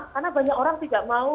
karena banyak orang tidak mau